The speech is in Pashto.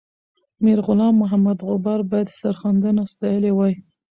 میرغلام محمد غبار باید سرښندنه ستایلې وای.